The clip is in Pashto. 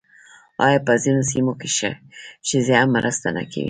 آیا په ځینو سیمو کې ښځې هم مرسته نه کوي؟